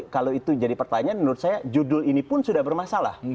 kalau itu jadi pertanyaan menurut saya judul ini pun sudah bermasalah